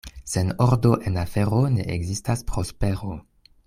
Sen ordo en afero ne ekzistas prospero.